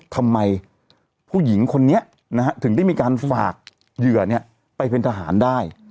ทำไมผู้หญิงคนนี้ถึงได้มีการฝากเหยื่อไปเป็นทหารได้